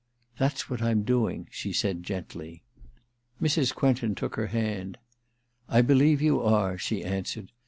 * That's what I'm doing/ she said gently. Mrs. Quentin took her hand. * I believe you are/ she answered.